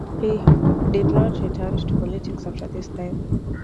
He did not returned to politics after this time.